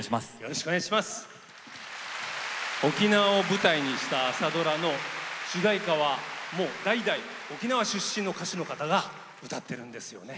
沖縄を舞台にした朝ドラの主題歌はもう代々、沖縄出身の歌手の方が歌ってるんですよね。